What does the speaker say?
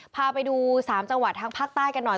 พาไปดู๓จังหวัดทางภาคใต้กันหน่อย